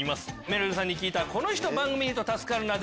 めるるさんに聞いたこの人番組にいると助かるな。